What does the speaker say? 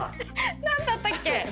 なんだったっけ？